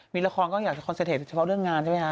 มีละครก็อยากจะคอนเซปเฉพาะเรื่องงานใช่ไหมคะ